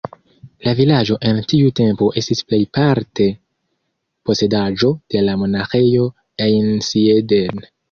La vilaĝo en tiu tempo estis plej parte posedaĵo de la Monaĥejo Einsiedeln.